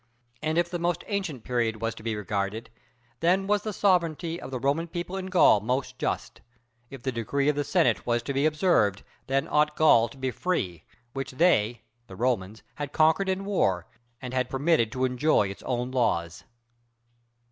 And if the most ancient period was to be regarded, then was the sovereignty of the Roman people in Gaul most just: if the decree of the Senate was to be observed, then ought Gaul to be free, which they [the Romans] had conquered in war, and had permitted to enjoy its own laws."